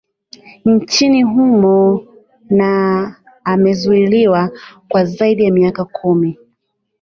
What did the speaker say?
nchini humo na amezuiliwa kwa zaidi ya miaka kumi